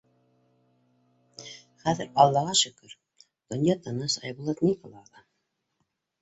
Хәҙер, аллаға шөкөр, донъя тыныс, Айбулат ни ҡыла ала?